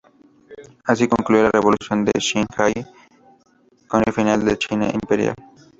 Así, concluía la Revolución de Xinhai con el final de la China imperial.